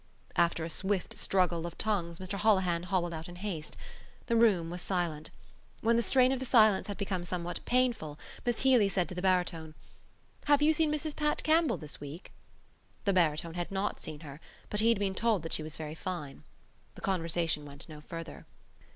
After a swift struggle of tongues Mr Holohan hobbled out in haste. The room was silent. When the strain of the silence had become somewhat painful Miss Healy said to the baritone: "Have you seen Mrs Pat Campbell this week?" The baritone had not seen her but he had been told that she was very fine. The conversation went no further.